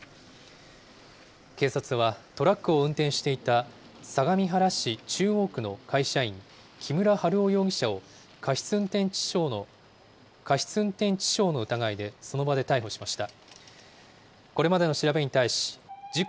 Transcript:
警察はトラックを運転していた相模原市中央区の会社員、木村春夫容疑者を、過失運転致傷の疑いでその場で逮捕しました。